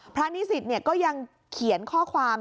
นิสิตก็ยังเขียนข้อความ